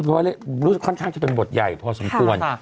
เพราะว่ารู้สึกค่อนข้างจะเป็นบทใหญ่พอสมควร